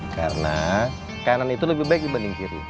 karena kanan itu lebih baik dibanding kiri